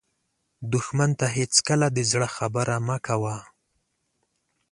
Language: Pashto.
دښمن ته هېڅکله د زړه خبره مه کوه